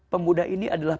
pemuda ini adalah